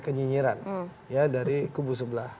kenyinyiran dari kubu sebelah